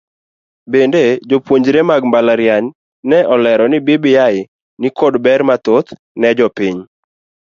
Bende jopuonjre mag mbalariany ne olero ni bbi nikod ber mathoth ne jopiny.